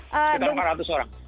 sekitar empat ratus orang